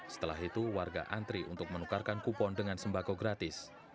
setelah itu warga antri untuk menukarkan kupon dengan sembako gratis